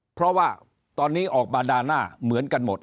เพราะว่าตอนนี้ออกมาด่าหน้าเหมือนกันหมด